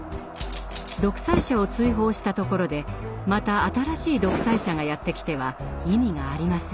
独裁者を追放したところでまた新しい独裁者がやって来ては意味がありません。